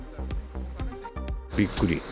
びっくり。